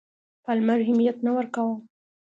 پالمر اهمیت نه ورکاوه.